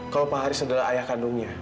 kalau pak haris adalah ayah kandungnya